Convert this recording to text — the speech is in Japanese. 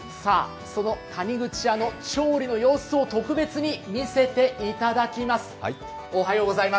その谷口屋の調理の様子を特別に見せていただきます。